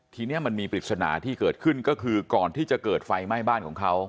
ทีนี้มันมีปริศนาที่เกิดขึ้นก็คือก่อนที่จะเกิดไฟไหม้บ้านของเขา